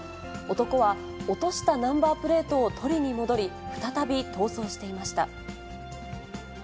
男は、落としたナンバープレートを取りに戻り、再び逃走していました。